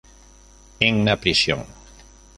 En la prisión.